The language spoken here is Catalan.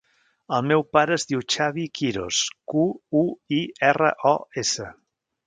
El meu pare es diu Xavi Quiros: cu, u, i, erra, o, essa.